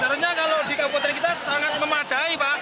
sebenarnya kalau di kabupaten kita sangat memadai pak